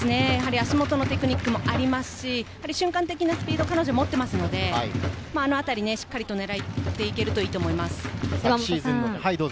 足元のテクニックもありますし、瞬間的なスピードを持っていますので、あのあたり、しっかりと狙って行けるといいと思います。